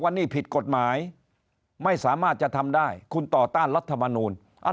นี่ผิดกฎหมายไม่สามารถจะทำได้คุณต่อต้านรัฐมนูล